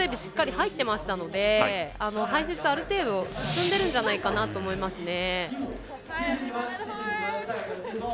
しっかり入っていましたので排雪進んでいるんじゃないかなと思います。